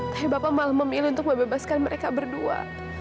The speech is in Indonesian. tapi bapak malah memilih untuk membebaskan mereka berdua